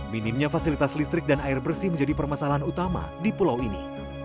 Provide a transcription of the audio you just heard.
minimnya fasilitas listrik dan air bersih menjadi permasalahan utama di pulau ini